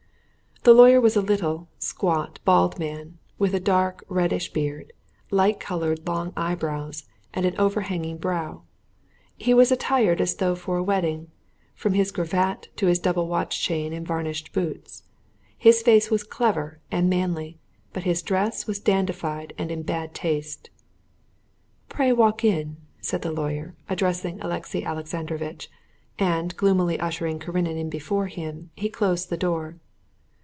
The lawyer was a little, squat, bald man, with a dark, reddish beard, light colored long eyebrows, and an overhanging brow. He was attired as though for a wedding, from his cravat to his double watch chain and varnished boots. His face was clever and manly, but his dress was dandified and in bad taste. "Pray walk in," said the lawyer, addressing Alexey Alexandrovitch; and, gloomily ushering Karenin in before him, he closed the door.